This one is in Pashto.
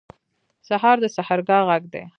سهار د سحرګاه غږ دی.